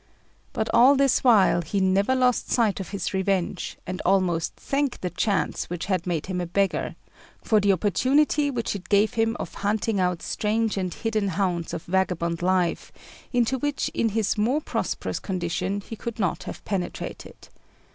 But all this while he never lost sight of his revenge, and almost thanked the chance which had made him a beggar, for the opportunity which it gave him of hunting out strange and hidden haunts of vagabond life into which in his more prosperous condition he could not have penetrated.